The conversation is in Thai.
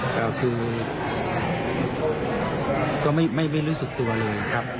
ก็คือก็ไม่รู้สึกตัวเลยครับ